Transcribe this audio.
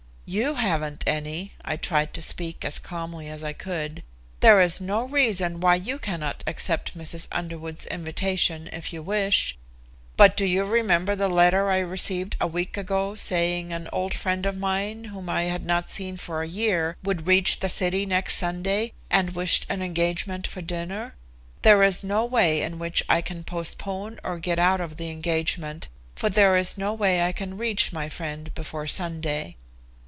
"You haven't any," I tried to speak as calmly as I could. "There is no reason why you cannot accept Mrs. Underwood's invitation if you wish. But do you remember the letter I received a week ago saying an old friend of mine whom I had not seen for a year would reach the city next Sunday and wished an engagement for dinner? There is no way in which I can postpone or get out of the engagement, for there is no way I can reach my friend before Sunday."